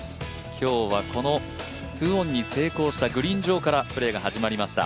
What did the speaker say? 今日はこの２オンに成功したグリーン上からプレーが始まりました。